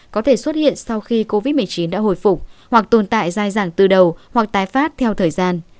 có thể xuất hiện sau khi covid một mươi chín đã hồi phục hoặc tồn tại dài dẳng từ đầu hoặc tái phát theo thời gian